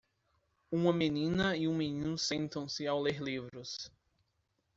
Uma menina e um menino sentam-se ao ler livros.